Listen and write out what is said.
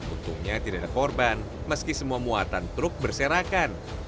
untungnya tidak ada korban meski semua muatan truk berserakan